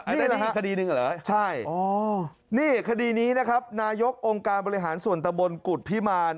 อ่านี่แหละครับใช่นี่คดีนี้นะครับนายกองการบริหารส่วนตะบนกุฎพิมาร